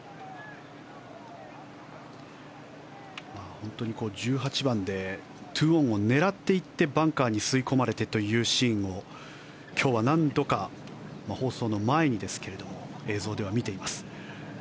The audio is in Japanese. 本当に１８番で２オンを狙っていってバンカーに吸い込まれてというシーンを今日は何度か放送の前にですけれど映像では見ています。